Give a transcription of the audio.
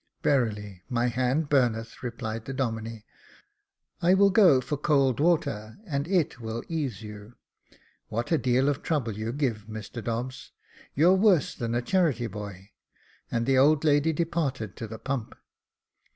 " Verily my hand burneth," replied the Domine. "I will go for cold water, and it will ease you. What a deal of trouble you do give, Mr Dobbs ; you're worse than a charity boy ;" and the old lady departed to the pump.